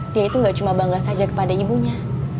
dia itu gak cuma bangga saja kepada ibunya